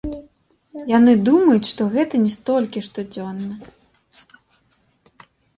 Яны думаюць, што гэта не столькі штодзённа.